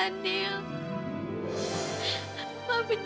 maafin aku ya semua ini gara gara aku